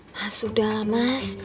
mas udah lah mas